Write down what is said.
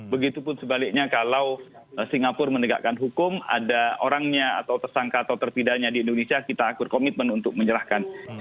begitupun sebaliknya kalau singapura menegakkan hukum ada orangnya atau tersangka atau tertidaknya di indonesia kita akur komitmen untuk menyerahkan